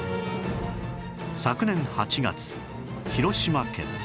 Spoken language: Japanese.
昨年８月広島県